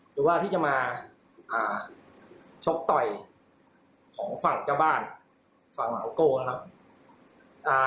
หรือว่าที่จะมาอ่าชกต่อยของฝั่งเจ้าบ้านฝั่งเหมาโก้นะครับ